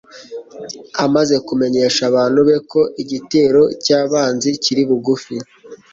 amaze kumenyesha abantu be ko igitero cy'abanzi kiri bugufi